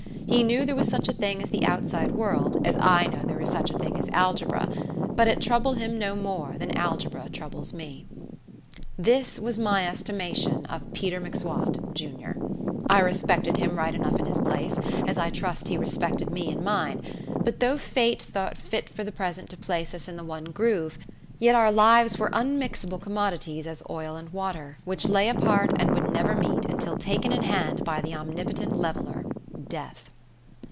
He knew there was such a thing as the outside world, as I know there is such a thing as algebra; but it troubled him no more than algebra troubles me. This was my estimation of Peter M'Swat, junior. I respected him right enough in his place, as I trust he respected me in mine, but though fate thought fit for the present to place us in the one groove, yet our lives were unmixable commodities as oil and water, which lay apart and would never meet until taken in hand by the omnipotent leveller death.